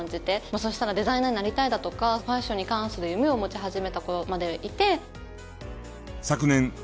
そうしたらデザイナーになりたいだとかファッションに関する夢を持ち始めた子までいて。